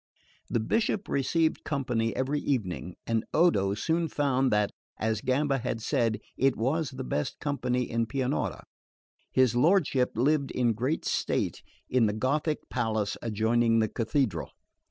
The Bishop received company every evening; and Odo soon found that, as Gamba had said, it was the best company in Pianura. His lordship lived in great state in the Gothic palace adjoining the Cathedral.